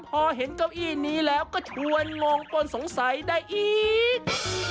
พอเห็นเก้าอี้นี้แล้วก็ชวนงงปนสงสัยได้อีก